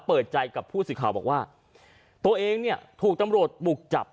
เปิดใจกับผู้สิทธิ์ข่าวบอกว่าตัวเองเนี่ยถูกตำโหลดปลูกจับ